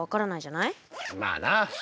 まあな。